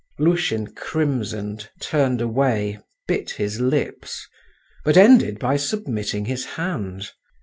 Lushin crimsoned, turned away, bit his lips, but ended by submitting his hand.